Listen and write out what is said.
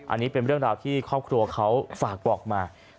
อันนี้เป็นเรื่องราวที่ครอบครัวเขาฝากบอกมา